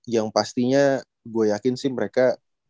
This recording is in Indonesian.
yang pastinya gue yakin sih mereka